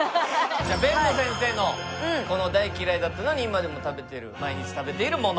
じゃあ辨野先生の大嫌いだったのに今でも食べてる毎日食べているもの